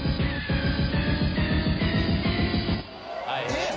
えっ